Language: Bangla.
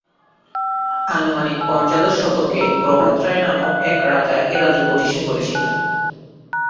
আনুমানিক পঞ্চদশ শতকে প্রভাত রায় নামক এক রাজা এই রাজ্য প্রতিষ্ঠা করেছিলেন।